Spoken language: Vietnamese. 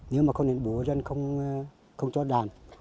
nếu mà không đến bù dân không cho sửa chữa